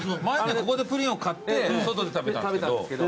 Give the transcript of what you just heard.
ここでプリンを買って外で食べたんですけど。